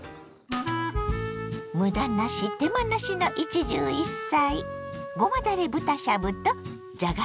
むだなし手間なしの一汁一菜。